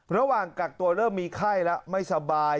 ระหว่างกักตัวเริ่มมีไข้แล้วไม่สบาย